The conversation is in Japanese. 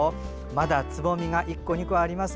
まだつぼみが１個２個あります。